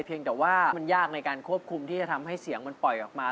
เพียงแต่ว่ามันยากในการควบคุมที่จะทำให้เสียงมันปล่อยออกมา